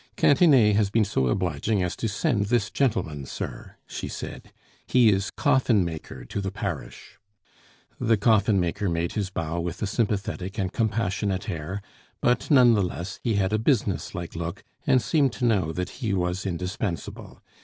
"Cantinet has been so obliging as to send this gentleman, sir," she said; "he is coffin maker to the parish." The coffin maker made his bow with a sympathetic and compassionate air, but none the less he had a business like look, and seemed to know that he was indispensable.